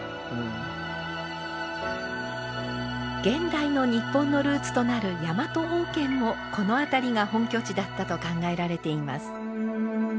現代の日本のルーツとなるヤマト王権もこの辺りが本拠地だったと考えられています。